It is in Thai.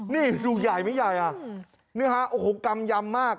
นี่ดูใหญ่มั้ยใหญ่นี่ครับกำยำมาก